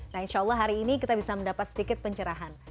nah insya allah hari ini kita bisa mendapat sedikit pencerahan